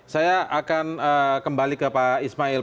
saya akan kembali ke pak ismail